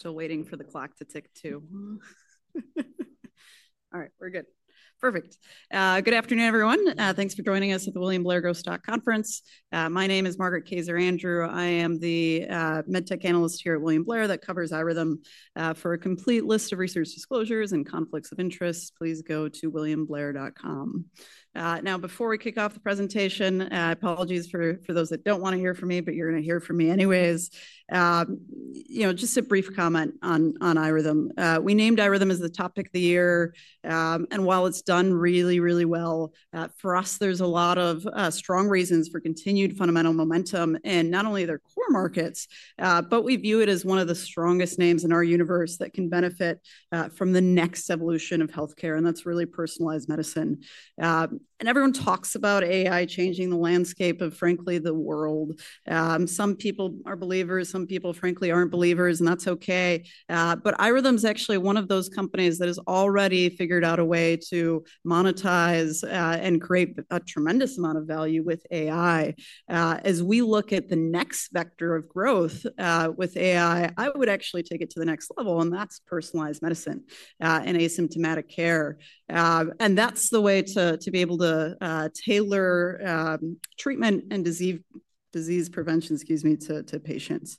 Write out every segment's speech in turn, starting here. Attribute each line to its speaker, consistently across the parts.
Speaker 1: Still waiting for the clock to tick, too. All right, we're good. Perfect. Good afternoon, everyone. Thanks for joining us at the William Blair Growth Stock Conference. My name is Margaret Kaczor Andrew. I am the MedTech analyst here at William Blair that covers iRhythm. For a complete list of research disclosures and conflicts of interest, please go to williamblair.com. Now, before we kick off the presentation, apologies for those that don't want to hear from me, but you're going to hear from me anyways. You know, just a brief comment on iRhythm. We named iRhythm as the Topic of the Year. While it's done really, really well for us, there's a lot of strong reasons for continued fundamental momentum in not only their core markets, but we view it as one of the strongest names in our universe that can benefit from the next evolution of health care. That's really personalized medicine. Everyone talks about AI changing the landscape of, frankly, the world. Some people are believers, some people, frankly, aren't believers, and that's OK. iRhythm is actually one of those companies that has already figured out a way to monetize and create a tremendous amount of value with AI. As we look at the next vector of growth with AI, I would actually take it to the next level, and that's personalized medicine and asymptomatic care. That's the way to be able to tailor treatment and disease prevention, excuse me, to patients.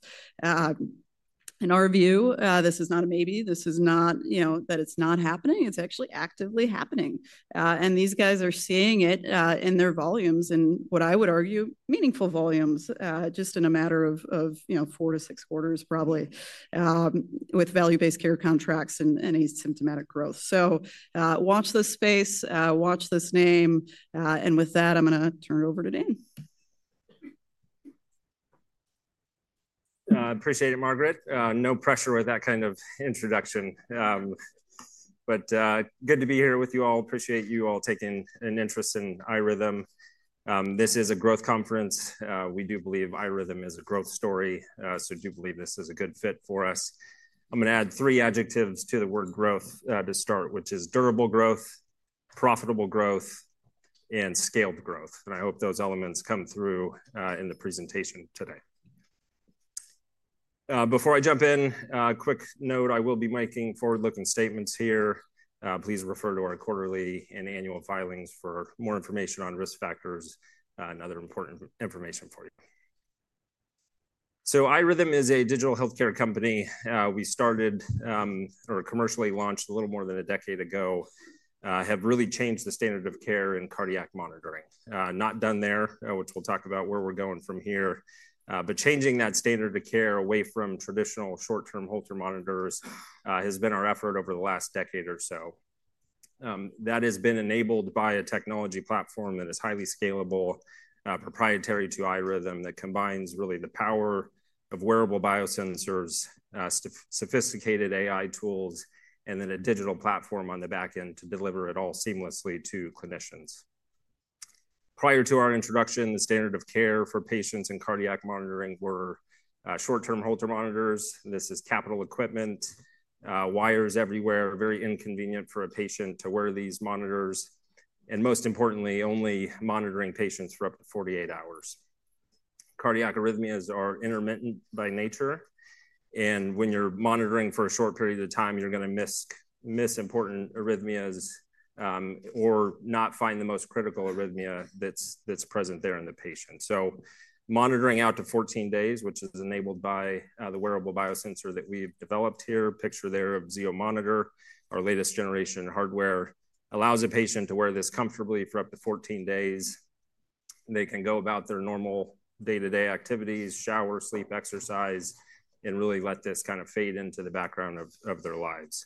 Speaker 1: In our view, this is not a maybe. This is not, you know, that it's not happening. It's actually actively happening. These guys are seeing it in their volumes and, what I would argue, meaningful volumes, just in a matter of four to six quarters, probably, with value-based care contracts and asymptomatic growth. Watch this space, watch this name. With that, I'm going to turn it over to Dane.
Speaker 2: Appreciate it, Margaret. No pressure with that kind of introduction. Good to be here with you all. Appreciate you all taking an interest in iRhythm. This is a growth conference. We do believe iRhythm is a growth story. I do believe this is a good fit for us. I'm going to add three adjectives to the word growth to start, which is durable growth, profitable growth, and scaled growth. I hope those elements come through in the presentation today. Before I jump in, a quick note. I will be making forward-looking statements here. Please refer to our quarterly and annual filings for more information on risk factors and other important information for you. iRhythm is a digital health care company. We started or commercially launched a little more than a decade ago, have really changed the standard of care in cardiac monitoring. Not done there, which we'll talk about where we're going from here. Changing that standard of care away from traditional short-term Holter monitors has been our effort over the last decade or so. That has been enabled by a technology platform that is highly scalable, proprietary to iRhythm, that combines really the power of wearable biosensors, sophisticated AI tools, and then a digital platform on the back end to deliver it all seamlessly to clinicians. Prior to our introduction, the standard of care for patients in cardiac monitoring were short-term Holter monitors. This is capital equipment, wires everywhere, very inconvenient for a patient to wear these monitors. Most importantly, only monitoring patients for up to 48 hours. Cardiac arrhythmias are intermittent by nature. When you're monitoring for a short period of time, you're going to miss important arrhythmias or not find the most critical arrhythmia that's present there in the patient. Monitoring out to 14 days, which is enabled by the wearable biosensor that we've developed here, picture there of Zio monitor, our latest generation hardware, allows a patient to wear this comfortably for up to 14 days. They can go about their normal day-to-day activities, shower, sleep, exercise, and really let this kind of fade into the background of their lives.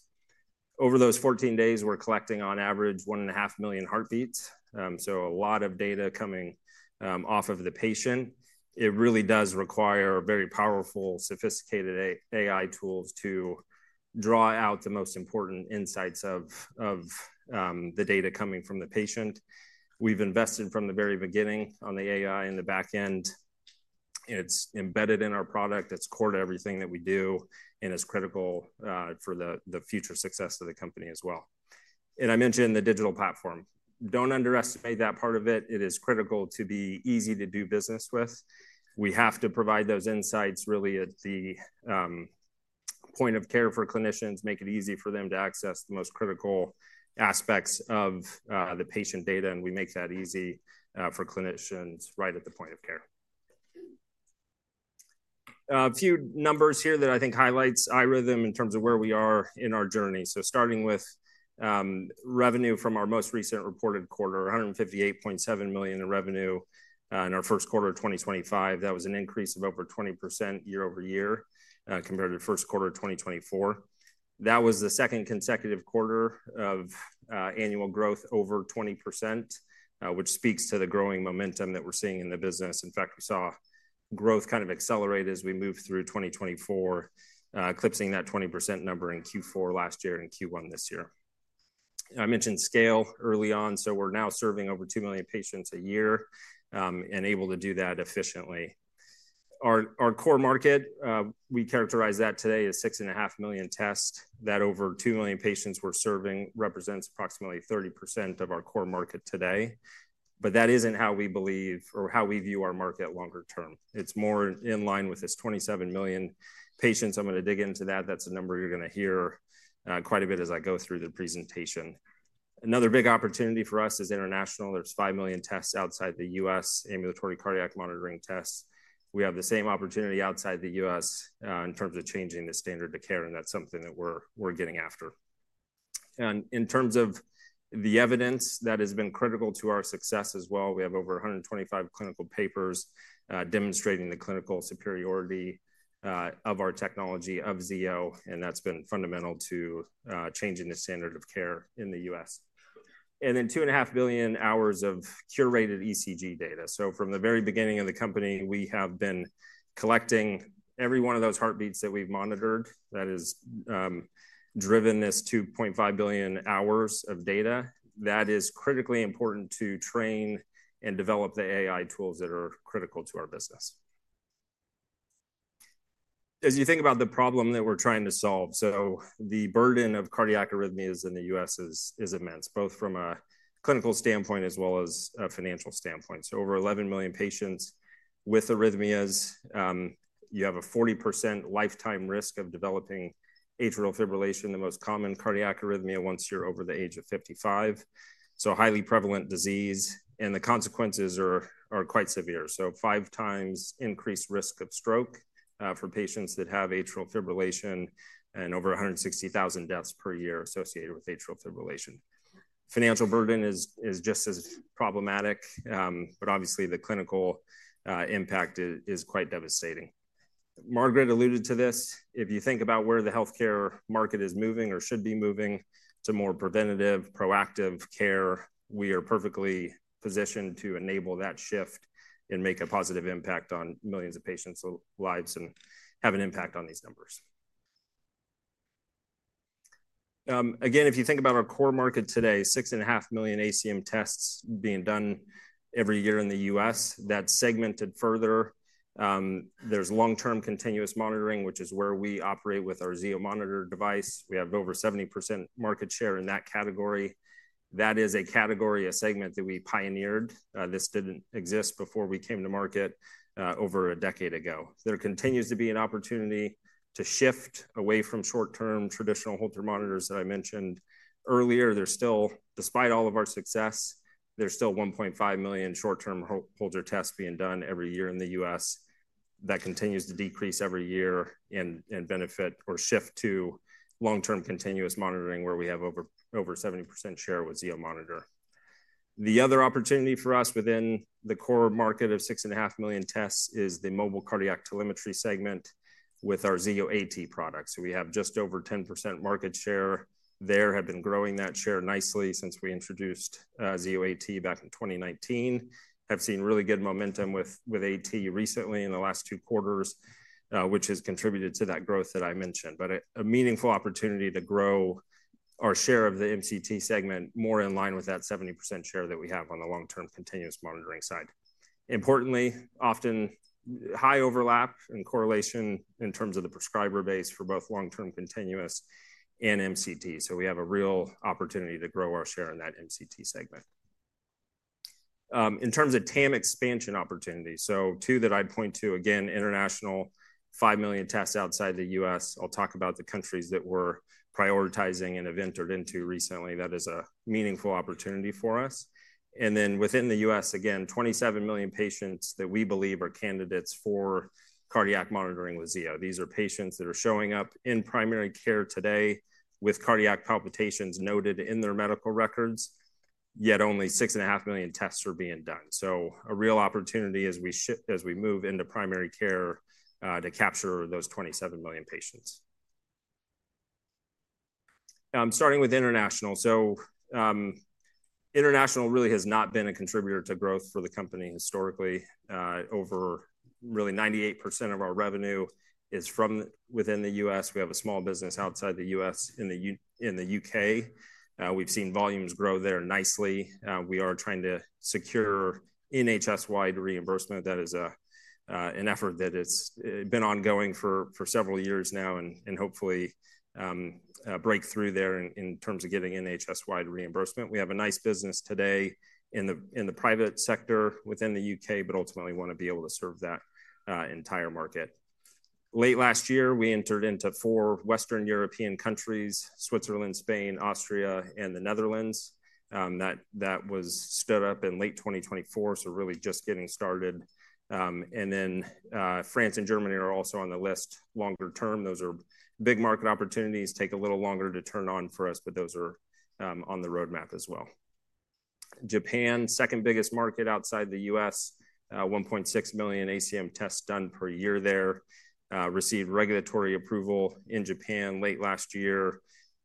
Speaker 2: Over those 14 days, we're collecting, on average, one and a half million heartbeats. A lot of data coming off of the patient. It really does require very powerful, sophisticated AI tools to draw out the most important insights of the data coming from the patient. We've invested from the very beginning on the AI in the back end. It's embedded in our product. It's core to everything that we do and is critical for the future success of the company as well. I mentioned the digital platform. Don't underestimate that part of it. It is critical to be easy to do business with. We have to provide those insights really at the point of care for clinicians, make it easy for them to access the most critical aspects of the patient data. We make that easy for clinicians right at the point of care. A few numbers here that I think highlight iRhythm in terms of where we are in our journey. Starting with revenue from our most recent reported quarter, $158.7 million in revenue in our first quarter of 2025. That was an increase of over 20% year-over-year compared to the first quarter of 2024. That was the second consecutive quarter of annual growth over 20%, which speaks to the growing momentum that we're seeing in the business. In fact, we saw growth kind of accelerate as we moved through 2024, eclipsing that 20% number in Q4 last year and Q1 this year. I mentioned scale early on. We are now serving over 2 million patients a year and able to do that efficiently. Our core market, we characterize that today as 6.5 million tests. That over 2 million patients we're serving represents approximately 30% of our core market today. That is not how we believe or how we view our market longer term. It is more in line with this 27 million patients. I am going to dig into that. That is a number you are going to hear quite a bit as I go through the presentation. Another big opportunity for us is international. There's 5 million tests outside the U.S., ambulatory cardiac monitoring tests. We have the same opportunity outside the U.S. in terms of changing the standard of care. That's something that we're getting after. In terms of the evidence that has been critical to our success as well, we have over 125 clinical papers demonstrating the clinical superiority of our technology, of Zio. That's been fundamental to changing the standard of care in the U.S. Then 2.5 billion hours of curated ECG data. From the very beginning of the company, we have been collecting every one of those heartbeats that we've monitored. That has driven this 2.5 billion hours of data. That is critically important to train and develop the AI tools that are critical to our business. As you think about the problem that we're trying to solve, the burden of cardiac arrhythmias in the U.S. is immense, both from a clinical standpoint as well as a financial standpoint. Over 11 million patients with arrhythmias. You have a 40% lifetime risk of developing atrial fibrillation, the most common cardiac arrhythmia once you're over the age of 55. A highly prevalent disease. The consequences are quite severe. Five times increased risk of stroke for patients that have atrial fibrillation and over 160,000 deaths per year associated with atrial fibrillation. Financial burden is just as problematic. Obviously, the clinical impact is quite devastating. Margaret alluded to this. If you think about where the health care market is moving or should be moving to more preventative, proactive care, we are perfectly positioned to enable that shift and make a positive impact on millions of patients' lives and have an impact on these numbers. Again, if you think about our core market today, 6.5 million ACM tests being done every year in the U.S. That's segmented further. There's long-term continuous monitoring, which is where we operate with our Zio monitor device. We have over 70% market share in that category. That is a category, a segment that we pioneered. This did not exist before we came to market over a decade ago. There continues to be an opportunity to shift away from short-term traditional Holter monitors that I mentioned earlier. Despite all of our success, there's still 1.5 million short-term Holter tests being done every year in the U.S. That continues to decrease every year and benefit or shift to long-term continuous monitoring, where we have over 70% share with Zio Monitor. The other opportunity for us within the core market of 6.5 million tests is the mobile cardiac telemetry segment with our Zio AT products. We have just over 10% market share there. Have been growing that share nicely since we introduced Zio AT back in 2019. Have seen really good momentum with AT recently in the last two quarters, which has contributed to that growth that I mentioned. A meaningful opportunity to grow our share of the MCT segment more in line with that 70% share that we have on the long-term continuous monitoring side. Importantly, often high overlap and correlation in terms of the prescriber base for both long-term continuous and MCT. We have a real opportunity to grow our share in that MCT segment. In terms of TAM expansion opportunity, two that I'd point to, again, international, 5 million tests outside the U.S. I'll talk about the countries that we're prioritizing and have entered into recently. That is a meaningful opportunity for us. Within the U.S., again, 27 million patients that we believe are candidates for cardiac monitoring with Zio. These are patients that are showing up in primary care today with cardiac palpitations noted in their medical records, yet only 6.5 million tests are being done. A real opportunity as we move into primary care to capture those 27 million patients. Starting with international. International really has not been a contributor to growth for the company historically. Over 98% of our revenue is from within the U.S. We have a small business outside the U.S. in the U.K. We have seen volumes grow there nicely. We are trying to secure NHS-wide reimbursement. That is an effort that has been ongoing for several years now and hopefully break through there in terms of getting NHS-wide reimbursement. We have a nice business today in the private sector within the U.K., but ultimately want to be able to serve that entire market. Late last year, we entered into four Western European countries: Switzerland, Spain, Austria, and the Netherlands. That was stood up in late 2024, so really just getting started. France and Germany are also on the list longer term. Those are big market opportunities. Take a little longer to turn on for us, but those are on the roadmap as well. Japan, second biggest market outside the U.S., 1.6 million ACM tests done per year there. Received regulatory approval in Japan late last year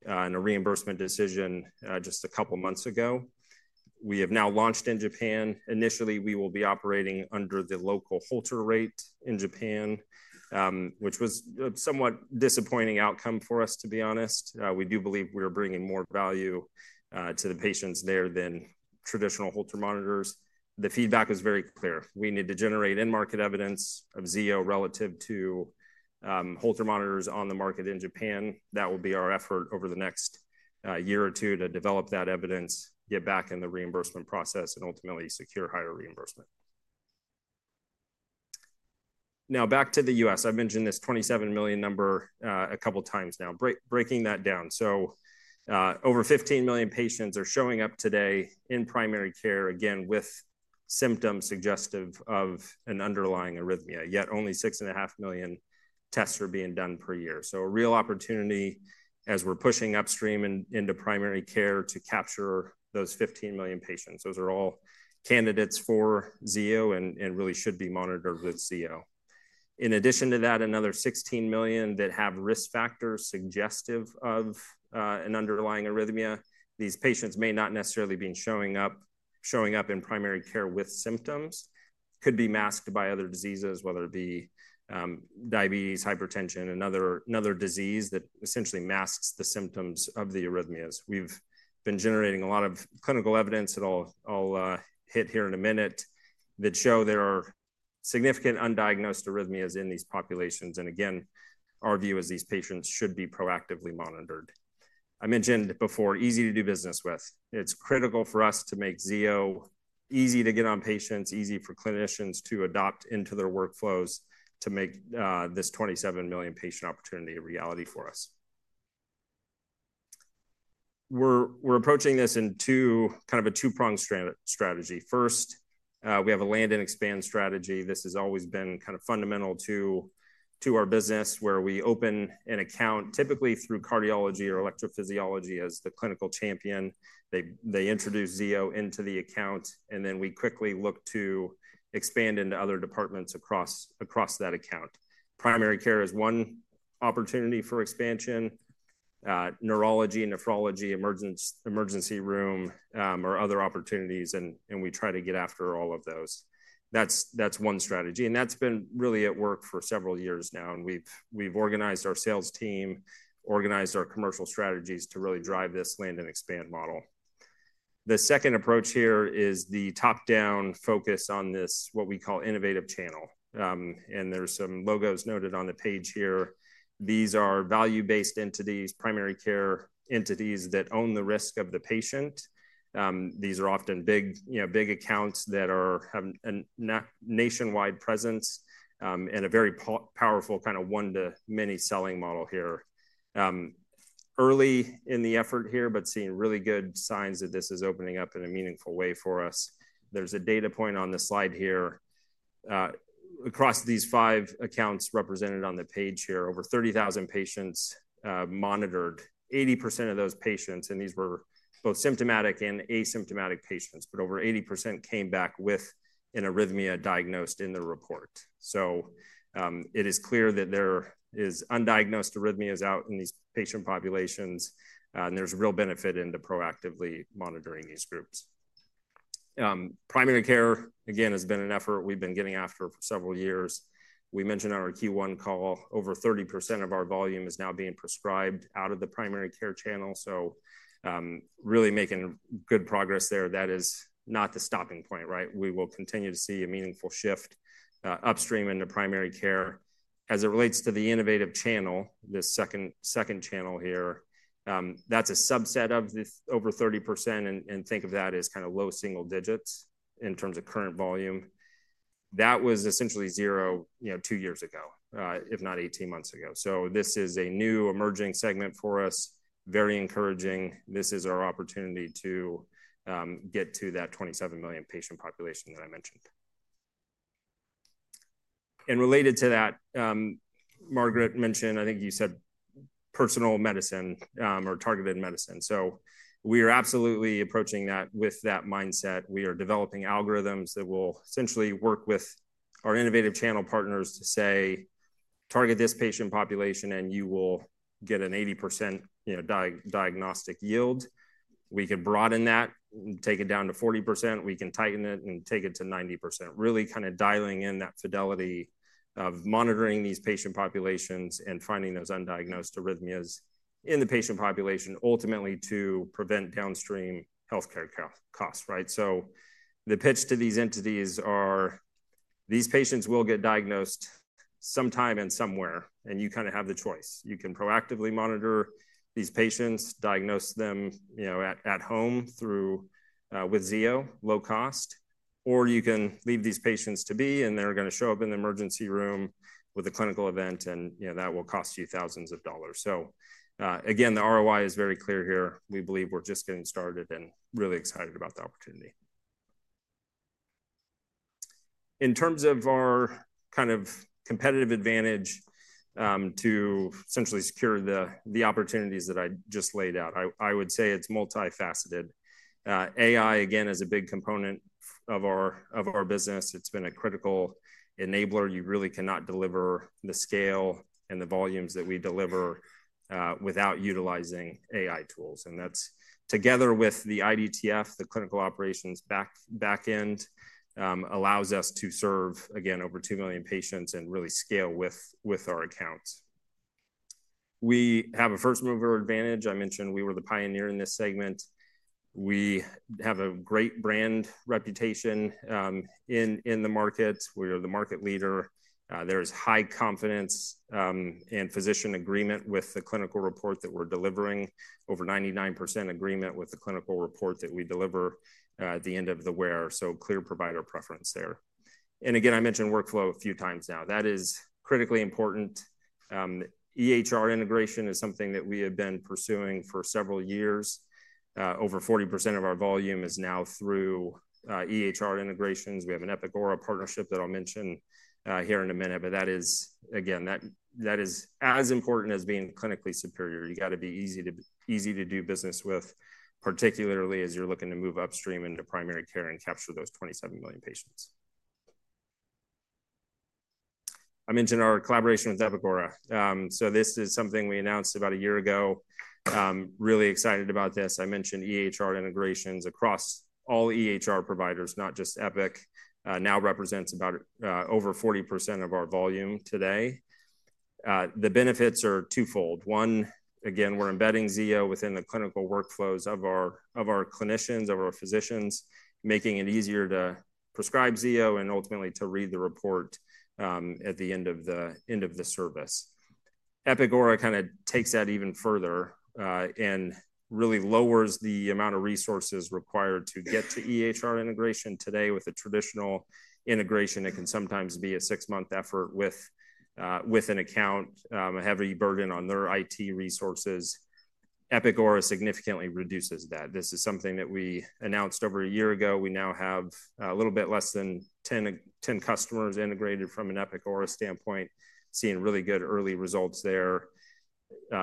Speaker 2: and a reimbursement decision just a couple of months ago. We have now launched in Japan. Initially, we will be operating under the local Holter rate in Japan, which was a somewhat disappointing outcome for us, to be honest. We do believe we are bringing more value to the patients there than traditional Holter monitors. The feedback was very clear. We need to generate in-market evidence of Zio relative to Holter monitors on the market in Japan. That will be our effort over the next year or two to develop that evidence, get back in the reimbursement process, and ultimately secure higher reimbursement. Now back to the U.S. I've mentioned this 27 million number a couple of times now. Breaking that down, over 15 million patients are showing up today in primary care, again, with symptoms suggestive of an underlying arrhythmia. Yet only 6.5 million tests are being done per year. A real opportunity as we're pushing upstream into primary care to capture those 15 million patients. Those are all candidates for Zio and really should be monitored with Zio. In addition to that, another 16 million that have risk factors suggestive of an underlying arrhythmia. These patients may not necessarily be showing up in primary care with symptoms. Could be masked by other diseases, whether it be diabetes, hypertension, and another disease that essentially masks the symptoms of the arrhythmias. We've been generating a lot of clinical evidence that I'll hit here in a minute that show there are significant undiagnosed arrhythmias in these populations. Again, our view is these patients should be proactively monitored. I mentioned before, easy to do business with. It's critical for us to make Zio easy to get on patients, easy for clinicians to adopt into their workflows to make this 27 million patient opportunity a reality for us. We're approaching this in kind of a two-pronged strategy. First, we have a land and expand strategy. This has always been kind of fundamental to our business, where we open an account typically through cardiology or electrophysiology as the clinical champion. They introduce Zio into the account. We quickly look to expand into other departments across that account. Primary care is one opportunity for expansion. Neurology, nephrology, emergency room, or other opportunities. We try to get after all of those. That is one strategy. That has been really at work for several years now. We have organized our sales team, organized our commercial strategies to really drive this land and expand model. The second approach here is the top-down focus on this, what we call innovative channel. There are some logos noted on the page here. These are value-based entities, primary care entities that own the risk of the patient. These are often big accounts that have a nationwide presence and a very powerful kind of one-to-many selling model here. Early in the effort here, but seeing really good signs that this is opening up in a meaningful way for us. There is a data point on the slide here. Across these five accounts represented on the page here, over 30,000 patients monitored. 80% of those patients, and these were both symptomatic and asymptomatic patients, but over 80% came back with an arrhythmia diagnosed in the report. It is clear that there are undiagnosed arrhythmias out in these patient populations. There is real benefit in proactively monitoring these groups. Primary care, again, has been an effort we've been getting after for several years. We mentioned on our Q1 call, over 30% of our volume is now being prescribed out of the primary care channel. Really making good progress there. That is not the stopping point, right? We will continue to see a meaningful shift upstream into primary care. As it relates to the innovative channel, this second channel here, that's a subset of over 30%. Think of that as kind of low single digits in terms of current volume. That was essentially zero two years ago, if not 18 months ago. This is a new emerging segment for us, very encouraging. This is our opportunity to get to that 27 million patient population that I mentioned. Related to that, Margaret mentioned, I think you said personal medicine or targeted medicine. We are absolutely approaching that with that mindset. We are developing algorithms that will essentially work with our innovative channel partners to say, "Target this patient population, and you will get an 80% diagnostic yield." We can broaden that and take it down to 40%. We can tighten it and take it to 90%. Really kind of dialing in that fidelity of monitoring these patient populations and finding those undiagnosed arrhythmias in the patient population, ultimately to prevent downstream health care costs, right? The pitch to these entities are these patients will get diagnosed sometime and somewhere. You kind of have the choice. You can proactively monitor these patients, diagnose them at home with Zio, low cost. Or you can leave these patients to be, and they're going to show up in the emergency room with a clinical event. That will cost you thousands of dollars. Again, the ROI is very clear here. We believe we're just getting started and really excited about the opportunity. In terms of our kind of competitive advantage to essentially secure the opportunities that I just laid out, I would say it's multifaceted. AI, again, is a big component of our business. It's been a critical enabler. You really cannot deliver the scale and the volumes that we deliver without utilizing AI tools. That is, together with the IDTF, the clinical operations backend, allows us to serve, again, over 2 million patients and really scale with our accounts. We have a first-mover advantage. I mentioned we were the pioneer in this segment. We have a great brand reputation in the market. We are the market leader. There is high confidence and physician agreement with the clinical report that we're delivering, over 99% agreement with the clinical report that we deliver at the end of the wear. Clear provider preference there. I mentioned workflow a few times now. That is critically important. EHR integration is something that we have been pursuing for several years. Over 40% of our volume is now through EHR integrations. We have an Epic partnership that I'll mention here in a minute. That is, again, as important as being clinically superior. You got to be easy to do business with, particularly as you're looking to move upstream into primary care and capture those 27 million patients. I mentioned our collaboration with Epic Aura. So this is something we announced about a year ago. Really excited about this. I mentioned EHR integrations across all EHR providers, not just Epic. Now represents about over 40% of our volume today. The benefits are twofold. One, again, we're embedding Zio within the clinical workflows of our clinicians, of our physicians, making it easier to prescribe Zio and ultimately to read the report at the end of the service. Epic Aura kind of takes that even further and really lowers the amount of resources required to get to EHR integration today. With a traditional integration, it can sometimes be a six-month effort with an account, a heavy burden on their IT resources. Epic Aura significantly reduces that. This is something that we announced over a year ago. We now have a little bit less than 10 customers integrated from an Epic standpoint, seeing really good early results there.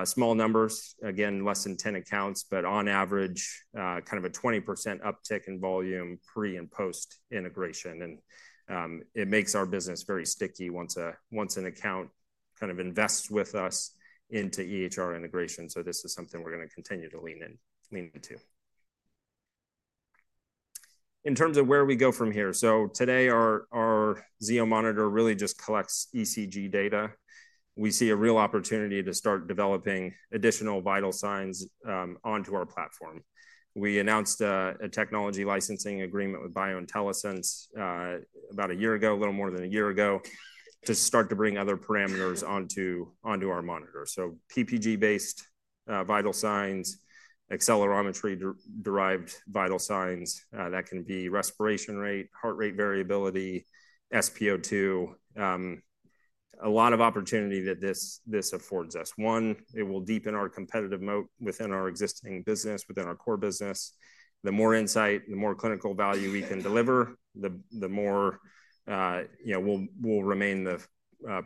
Speaker 2: Small numbers, again, less than 10 accounts, but on average, kind of a 20% uptick in volume pre and post integration. It makes our business very sticky once an account kind of invests with us into EHR integration. This is something we're going to continue to lean into. In terms of where we go from here, today our Zio monitor really just collects ECG data. We see a real opportunity to start developing additional vital signs onto our platform. We announced a technology licensing agreement with BioIntelliSense about a year ago, a little more than a year ago, to start to bring other parameters onto our monitor. PPG-based vital signs, accelerometry-derived vital signs. That can be respiration rate, heart rate variability, SpO2. A lot of opportunity that this affords us. One, it will deepen our competitive moat within our existing business, within our core business. The more insight, the more clinical value we can deliver, the more we'll remain the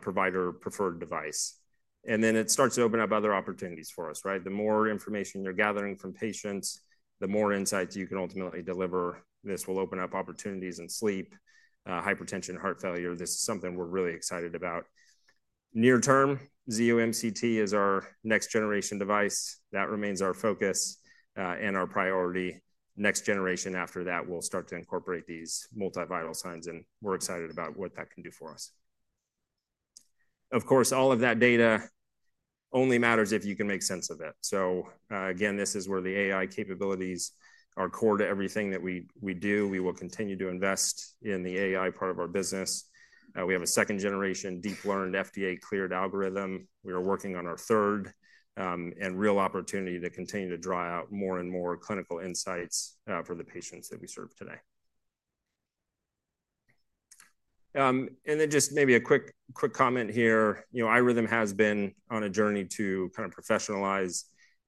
Speaker 2: provider-preferred device. It starts to open up other opportunities for us, right? The more information you're gathering from patients, the more insights you can ultimately deliver. This will open up opportunities in sleep, hypertension, heart failure. This is something we're really excited about. Near term, Zio MCT is our next-generation device. That remains our focus and our priority. Next generation after that, we'll start to incorporate these multivital signs. We're excited about what that can do for us. Of course, all of that data only matters if you can make sense of it. Again, this is where the AI capabilities are core to everything that we do. We will continue to invest in the AI part of our business. We have a second-generation deep-learned FDA-cleared algorithm. We are working on our third and real opportunity to continue to draw out more and more clinical insights for the patients that we serve today. Maybe a quick comment here. iRhythm has been on a journey to kind of professionalize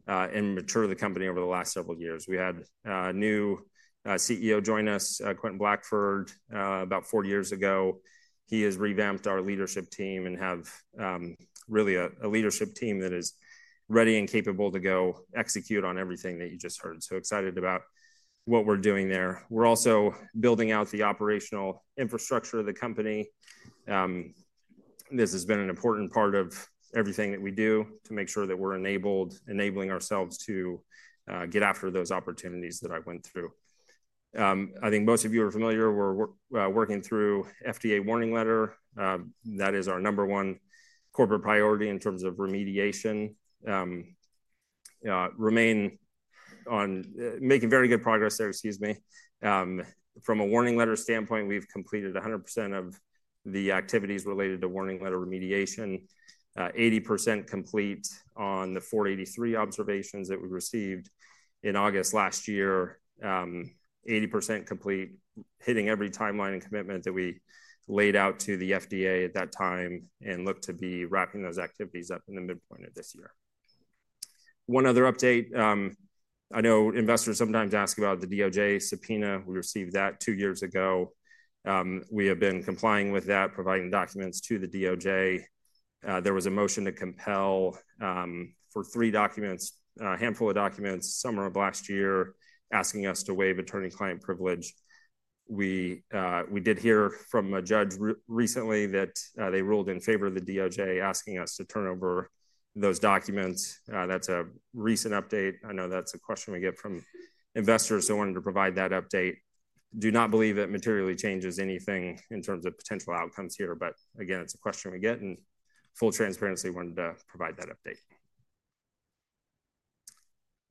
Speaker 2: and mature the company over the last several years. We had a new CEO join us, Quentin Blackford, about four years ago. He has revamped our leadership team and has really a leadership team that is ready and capable to go execute on everything that you just heard. Excited about what we're doing there. We're also building out the operational infrastructure of the company. This has been an important part of everything that we do to make sure that we're enabling ourselves to get after those opportunities that I went through. I think most of you are familiar. We're working through FDA warning letter. That is our number one corporate priority in terms of remediation. Making very good progress there, excuse me. From a warning letter standpoint, we've completed 100% of the activities related to warning letter remediation, 80% complete on the 483 observations that we received in August last year, 80% complete, hitting every timeline and commitment that we laid out to the FDA at that time and look to be wrapping those activities up in the midpoint of this year. One other update, I know investors sometimes ask about the DOJ subpoena. We received that two years ago. We have been complying with that, providing documents to the DOJ. There was a motion to compel for three documents, a handful of documents, summer of last year, asking us to waive attorney-client privilege. We did hear from a judge recently that they ruled in favor of the DOJ, asking us to turn over those documents. That is a recent update. I know that is a question we get from investors. I wanted to provide that update. I do not believe it materially changes anything in terms of potential outcomes here. It is a question we get. In full transparency, I wanted to provide that update.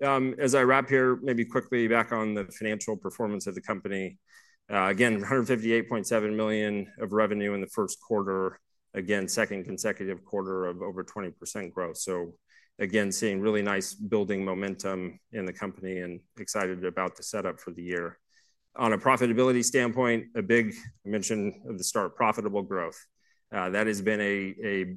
Speaker 2: As I wrap here, maybe quickly back on the financial performance of the company. Again, $158.7 million of revenue in the first quarter, second consecutive quarter of over 20% growth. Again, seeing really nice building momentum in the company and excited about the setup for the year. On a profitability standpoint, a big mention of the start, profitable growth. That has been a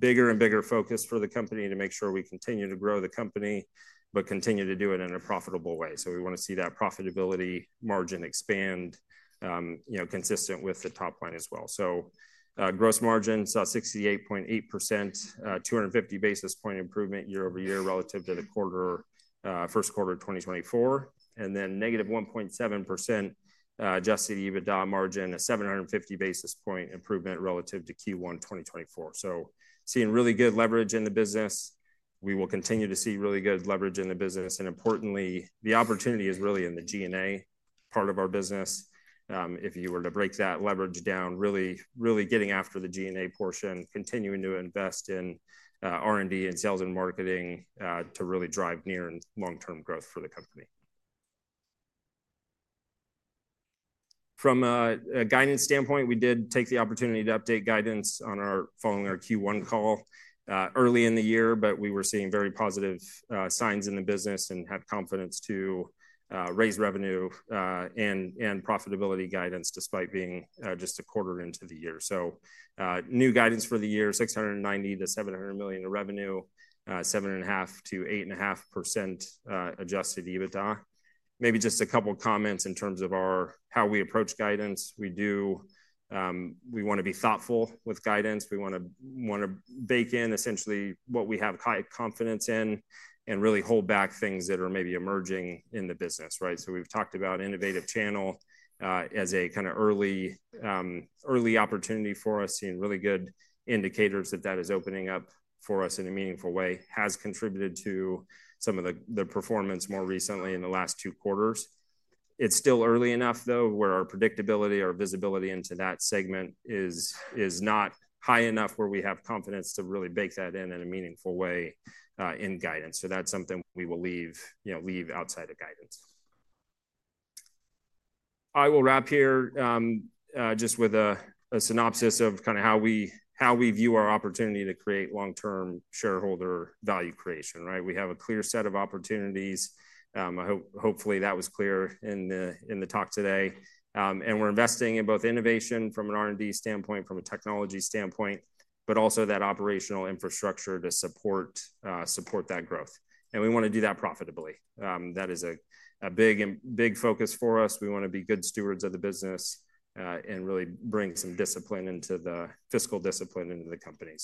Speaker 2: bigger and bigger focus for the company to make sure we continue to grow the company, but continue to do it in a profitable way. We want to see that profitability margin expand consistent with the top line as well. Gross margin saw 68.8%, 250 basis point improvement year-over-year relative to the first quarter of 2024. Negative 1.7% adjusted EBITDA margin, a 750 basis point improvement relative to Q1 2024. Seeing really good leverage in the business. We will continue to see really good leverage in the business. Importantly, the opportunity is really in the G&A part of our business. If you were to break that leverage down, really getting after the G&A portion, continuing to invest in R&D and sales and marketing to really drive near and long-term growth for the company. From a guidance standpoint, we did take the opportunity to update guidance following our Q1 call early in the year. We were seeing very positive signs in the business and had confidence to raise revenue and profitability guidance despite being just a quarter into the year. New guidance for the year, $690 million-$700 million of revenue, 7.5%-8.5% adjusted EBITDA. Maybe just a couple of comments in terms of how we approach guidance. We want to be thoughtful with guidance. We want to bake in essentially what we have high confidence in and really hold back things that are maybe emerging in the business, right? We've talked about innovative channel as a kind of early opportunity for us, seeing really good indicators that that is opening up for us in a meaningful way, has contributed to some of the performance more recently in the last two quarters. It's still early enough, though, where our predictability, our visibility into that segment is not high enough where we have confidence to really bake that in in a meaningful way in guidance. That's something we will leave outside of guidance. I will wrap here just with a synopsis of kind of how we view our opportunity to create long-term shareholder value creation, right? We have a clear set of opportunities. Hopefully, that was clear in the talk today. We're investing in both innovation from an R&D standpoint, from a technology standpoint, but also that operational infrastructure to support that growth. We want to do that profitably. That is a big focus for us. We want to be good stewards of the business and really bring some fiscal discipline into the company.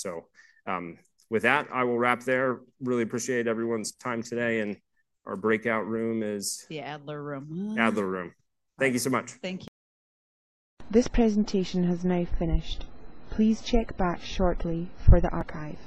Speaker 2: With that, I will wrap there. Really appreciate everyone's time today. Our breakout room is.
Speaker 1: the Adler room.
Speaker 2: Adler room. Thank you so much.
Speaker 1: Thank you.
Speaker 3: This presentation has now finished. Please check back shortly for the archives.